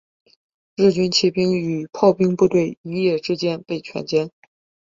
日军骑兵与炮兵部队一夜之间被全歼。